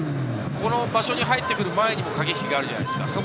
この場所に入って来る前にも駆け引きがあるじゃないですか？